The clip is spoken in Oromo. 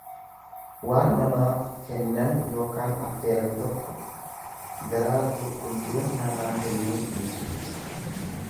Waan namaaf kennan ykn affeeran tokko garaa qulqulluun namaa kennuu dhiisuu ibsa.